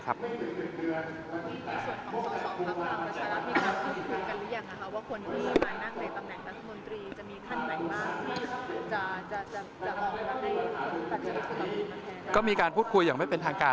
ก็มีการพูดคุยอย่างไม่เป็นทางการ